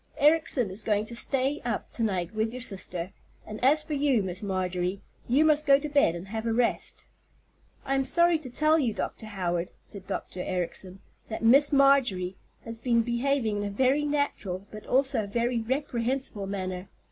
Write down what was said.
Ericson is going to stay up to night with your sister; and as for you, Miss Marjorie, you must go to bed and have a rest." "I am sorry to tell you, Dr. Howard," said Dr. Ericson, "that Miss Marjorie has been behaving in a very natural but also a very reprehensible manner.